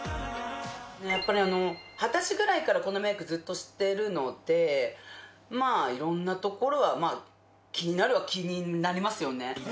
やっぱり二十歳ぐらいからこのメイクずっとしてるのでまあ色んなところはキニナルは気になりますよね